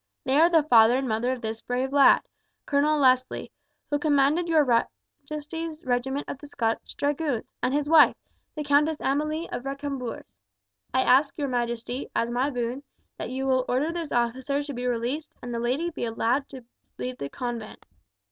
They are the father and mother of this brave lad Colonel Leslie, who commanded your majesty's regiment of Scotch Dragoons, and his wife, the Countess Amelie of Recambours. I ask your majesty, as my boon, that you will order this officer to be released and the lady to be allowed to leave the convent."